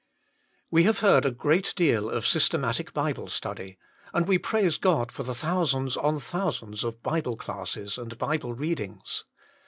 We have heard a great deal of systematic Bible study, and we praise God for thousands on thou sands of Bible classes and Bible readings.